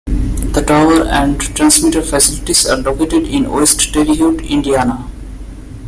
The tower and transmitter facilities are located in West Terre Haute, Indiana.